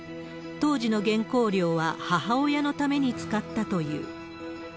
当時の原稿料は母親のために使ったという。